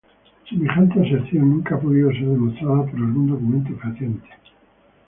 Semejante aserción nunca ha podido ser demostrada por algún documento fehaciente.